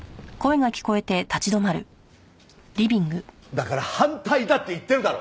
だから反対だって言ってるだろ！